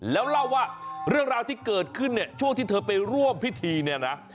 แล้วเล่าว่าเรื่องราวที่เกิดขึ้นเนี่ยช่วงที่เธอไปร่วมพิธีเนี่ยนะ